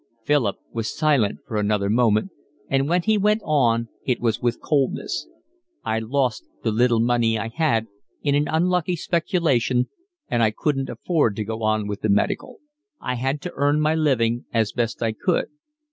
Philip was silent for another moment, and when he went on it was with coldness. "I lost the little money I had in an unlucky speculation and I couldn't afford to go on with the medical. I had to earn my living as best I could."